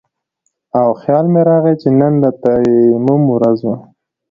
او خيال مې راغے چې نن د تيمم ورځ وه